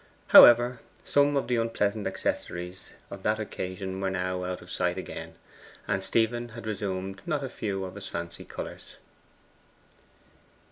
However, some of the unpleasant accessories of that occasion were now out of sight again, and Stephen had resumed not a few of his fancy colours.